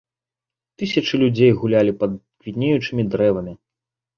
Тысячы людзей гулялі пад квітнеючымі дрэвамі.